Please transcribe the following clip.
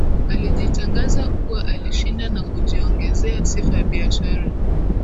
alijitangaza kuwa alishinda na kujiongezea sifa ya biashara